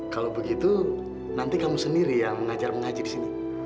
kalau begitu nanti kamu sendiri yang mengajar mengaji disini